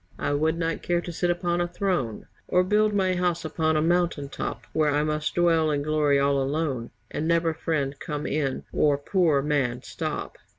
I would not care to sit upon a throne, Or build my house upon a mountain top. Where I must dwell in glory all alone And never friend come in or poor man stop.